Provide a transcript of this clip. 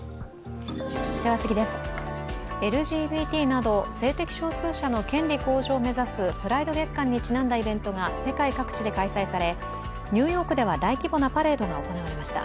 ＬＧＢＴなど性的少数者の権利向上を目指すプライド月間にちなんだイベントが世界各地で開催されニューヨークでは大規模なパレードが行われました。